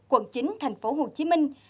quận chín thành phố hồ chí minh